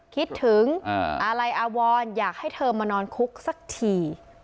คิดถึงอาลัยอาวรอยากให้เธอมานอนคุกสักที